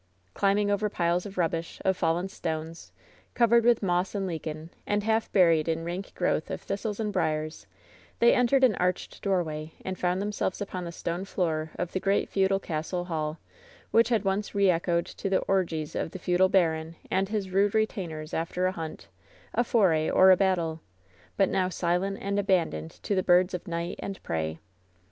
Climbing over piles of rubbish, of fallen stones, cov ered with moss and lichen, and half buried in rank growth of thistles and briers, they entered an arched doorway, and found themselves upon the stone floor of the great feudal castle hall, which had once re echoed to the orgies of the feudal baron and his rude retainers after a hunt, a foray, or a battle, but now silent and abandoned to the birds of night and prey.